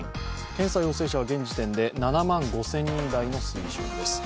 検査陽性者は現時点で７万５０００人台の水準です。